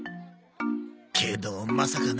けどまさかな。